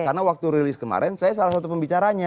karena waktu rilis kemarin saya salah satu pembicaranya